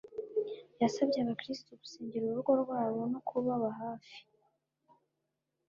yasabye abakristo gusengera urugo rwabo no kubaba hafi